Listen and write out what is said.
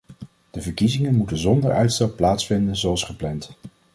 Die verkiezingen moeten zonder uitstel plaatsvinden zoals gepland.